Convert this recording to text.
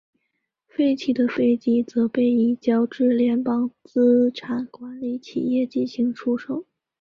废弃的飞机则被移交至联邦资产管理企业进行出售。